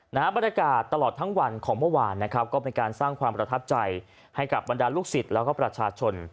หน้าบรรรยากาศตลอดทั้งวันของเมื่อวานก็เป็นสร้างความประทับใจให้ประชาชน